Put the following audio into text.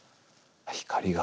光が。